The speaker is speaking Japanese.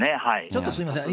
ちょっとすみません。